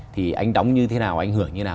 thì anh đóng như thế nào anh hưởng như thế nào